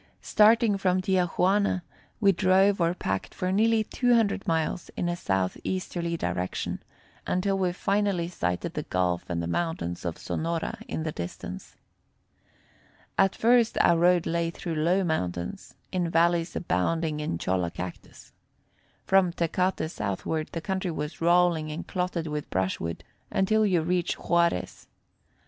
Starting from Tia Juana, we drove or packed for nearly 200 miles in a southeasterly direction, until we finally sighted the Gulf and the mountains of Sonora in the distance. At first our road lay through low mountains, in valleys abounding in cholla cactus. From Tecate southward, the country was rolling and clotted with brushwood, until you reach Juarez.